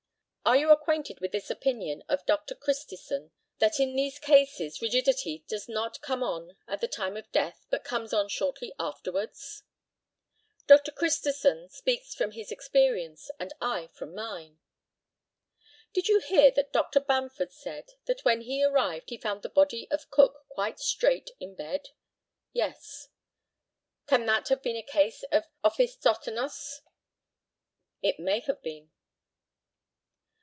Are you acquainted with this opinion of Dr. Christison, that in these cases rigidity does not come on at the time of death, but comes on shortly afterwards? Dr. Christison speaks from his experience, and I from mine. Did you hear that Dr. Bamford said, that when he arrived he found the body of Cook quite straight in bed? Yes. Can that have been a case of ophisthotonos? It may have been.